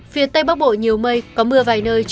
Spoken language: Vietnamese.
phía tây bắc bộ nhiều mây có mưa vài nơi